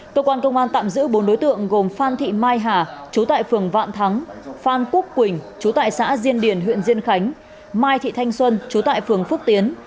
cơ quan công an tạm giữ bốn đối tượng gồm phan thị mai hà chú tại phường vạn thắng phan quốc quỳnh chú tại xã diên điền huyện diên khánh mai thị thanh xuân chú tại phường phước tiến